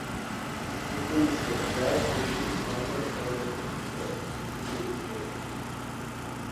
উপনিষদ, যা বৈদিক পাঠের পরবর্তী স্তর, গুরু উল্লেখ।